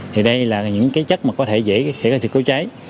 thì đây là những cái chất mà có thể dễ xảy ra sự cố cháy